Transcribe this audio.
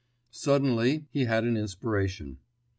Suddenly he had an inspiration.